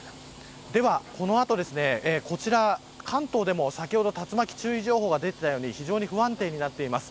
ではこの後、こちら関東でも先ほど竜巻注意情報が出ていたように非常に不安定になっています。